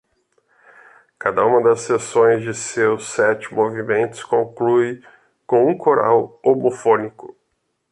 Cada uma das seções de seus sete movimentos conclui com um coral homofônico.